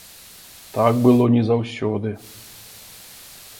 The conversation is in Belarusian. Так было не заўсёды.